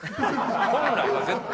本来は絶対。